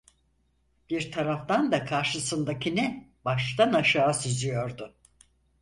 Bir taraftan da karşısındakini baştan aşağı süzüyordu.